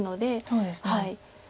そうですね。